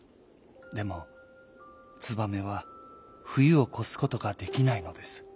でもツバメはふゆをこすことができないのです。